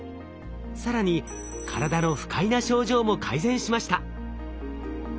更に体の不快な症状も改善しました。